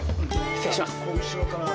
失礼します。